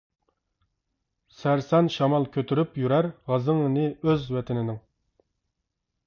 سەرسان شامال كۆتۈرۈپ يۈرەر غازىڭىنى ئۆز ۋەتىنىنىڭ.